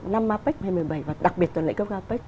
năm apec hai nghìn một mươi bảy và đặc biệt tuần lễ cấp apec